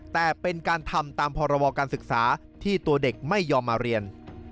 แต่เป็นการทำตามพรบการศึกษาที่ตัวเด็กไม่ยอมมาเรียน